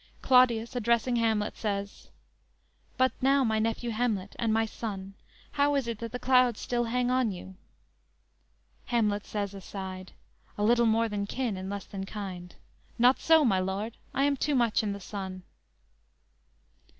Claudius addressing Hamlet, says: "But, now my nephew Hamlet, and my son How is it that the clouds still hang on you?" Hamlet says (aside): _"A little more than kin and less than kind. Not so, my lord; I am too much in the sun."